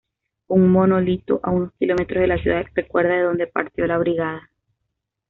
Un monolito a unos kilómetros de la ciudad recuerda de donde partió la Brigada.